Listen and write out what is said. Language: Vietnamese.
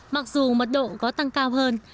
mặc dù mật độ có tăng cao hơn